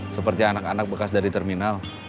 seperti anak anak bekas dari terminal